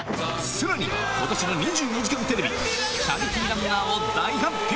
さらに、ことしの２４時間テレビ、チャリティーランナーを大発表。